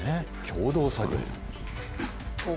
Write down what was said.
共同作業。